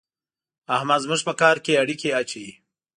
احمد زموږ په کار کې اړېکی اچوي.